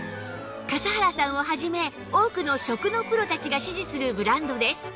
笠原さんを始め多くの食のプロたちが支持するブランドです